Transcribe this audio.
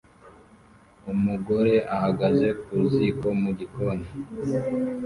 Umugore ahagaze ku ziko mu gikoni